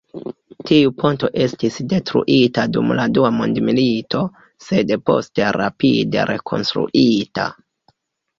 Tiu ponto estis detruita dum la dua mondmilito, sed poste rapide rekonstruita.